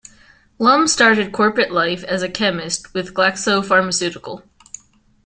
Lum started corporate life as a chemist with Glaxo Pharmaceutical.